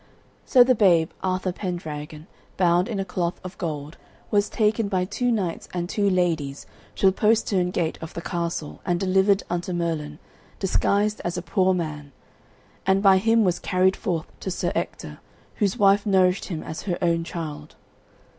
So the babe, Arthur Pendragon, bound in a cloth of gold, was taken by two knights and two ladies to the postern gate of the castle and delivered unto Merlin, disguised as a poor man, and by him was carried forth to Sir Ector, whose wife nourished him as her own child.